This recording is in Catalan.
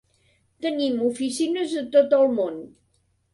Tenim oficines a tot el món.